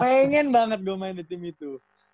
pengen banget gue main di tim itu